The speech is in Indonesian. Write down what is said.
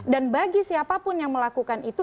dan bagi siapapun yang melakukan itu